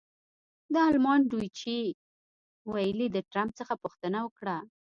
د المان ډویچې وېلې د ټرمپ څخه پوښتنه وکړه.